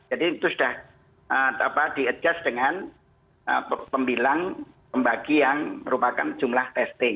jadi itu sudah di adjust dengan pembilang pembagi yang merupakan jumlah testing